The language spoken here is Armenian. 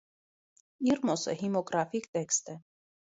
Իրմոսը հիմոգրաֆիկ տեքստ է։